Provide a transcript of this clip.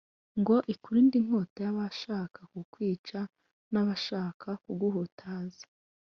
Ngo ikurinde inkota y’abashaka kukwicaN’abashaka kuguhutaza.